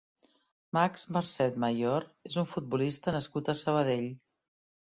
Max Marcet Mayor és un futbolista nascut a Sabadell.